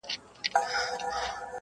• پر پچه وختی کشمیر یې ولیدی -